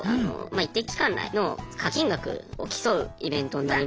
一定期間内の課金額を競うイベントになる。